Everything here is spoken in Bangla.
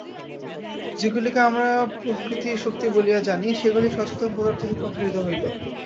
যেগুলিকে আমরা প্রকৃতির শক্তি বলিয়া জানি, সেগুলিই সচেতন পদার্থে রূপান্তরিত হইল।